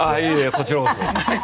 こちらこそ。